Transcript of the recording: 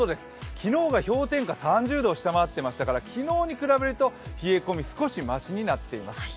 昨日が氷点下３０度を下回っていましたから昨日に比べると冷え込みは少しましになっています。